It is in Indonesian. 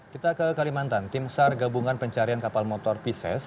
kita ke kalimantan tim sar gabungan pencarian kapal motor pisces